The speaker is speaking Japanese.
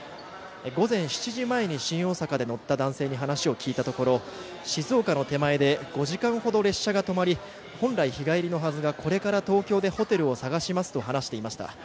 午前７時前に新大阪で乗った男性に話を聞いたところ静岡の手前で５時間ほど列車が止まり本来日帰りのはずが、これから東京でホテルを探しますと話していました。